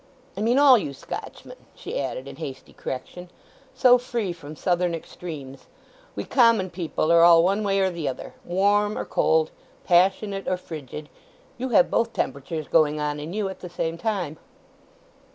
"I mean all you Scotchmen," she added in hasty correction. "So free from Southern extremes. We common people are all one way or the other—warm or cold, passionate or frigid. You have both temperatures going on in you at the same time."